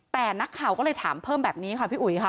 แต่นักข่าวก็เลยถามเพิ่มแบบนี้ค่ะพี่อุ๋ยค่ะ